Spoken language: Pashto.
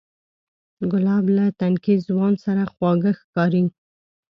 ګلاب له تنکي ځوان سره خواږه ښکاري.